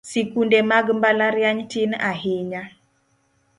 Sikunde mag mbalariany tin ahinya